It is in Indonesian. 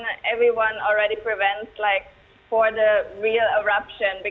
dan ya jadi semua orang sudah mengelakkan untuk pengebom yang benar